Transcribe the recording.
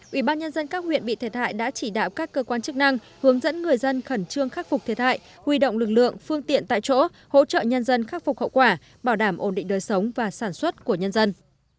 ủy ban nhân dân các huyện bị thiệt hại đã chỉ đạo các cơ quan chức năng hướng dẫn người dân khẩn trương khắc phục thiệt hại huy động lực lượng phương tiện tại chỗ hỗ trợ nhân dân khắc phục hậu quả bảo đảm ổn định đời sống và sản xuất của nhân dân